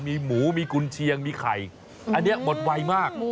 มีหมูมีกุญเชียงมีไข่อันนี้หมดไวมาก